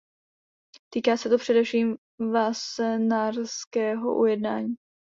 Týká se to především Wassenaarského ujednání.